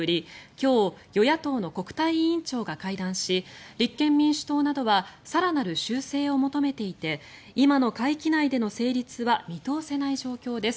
今日、与野党の国対委員長が会談し立憲民主党などは更なる修正を求めていて今の会期内での成立は見通せない状況です。